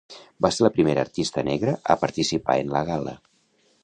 Va ser la primera artista negra a participar en la gala.